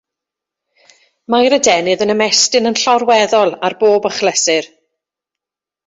Mae'r adenydd yn ymestyn yn llorweddol ar bob achlysur.